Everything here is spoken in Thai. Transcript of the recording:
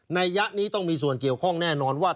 ยะนี้ต้องมีส่วนเกี่ยวข้องแน่นอนว่า